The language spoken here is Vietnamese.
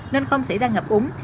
nên không xảy ra ngập ống